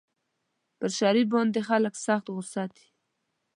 پر شریف باندې خلک سخت په غوسه دي.